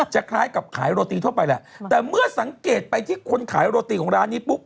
คล้ายกับขายโรตีทั่วไปแหละแต่เมื่อสังเกตไปที่คนขายโรตีของร้านนี้ปุ๊บ